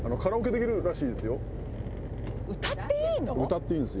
歌っていいんですよ。